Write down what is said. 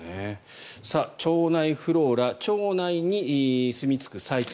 腸内フローラ腸内にすみ着く細菌。